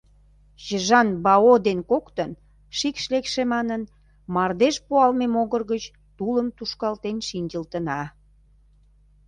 Чжан-Бао ден коктын шикш лекше манын, мардеж пуалме могыр гыч тулым тушкалтен шинчылтына.